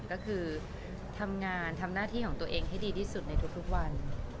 ก็คือทำงานทำหน้าที่ของตัวเองให้ดีที่สุดในทุกวัน